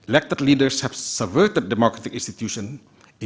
pemimpin terpilih telah menghancurkan institusi demokrasi